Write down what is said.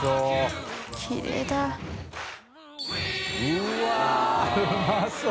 うわっうまそう！